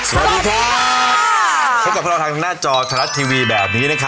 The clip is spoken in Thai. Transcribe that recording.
แล้วก็ต่อกันกับรายการเสธที่ป้าเย้